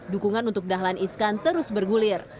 dukungan untuk dahlan iskan terus bergulir